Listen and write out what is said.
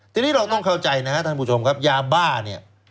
ทีนี้เราต้องเข้าใจนะครับท่านผู้ชมครับยาบ้าเนี่ย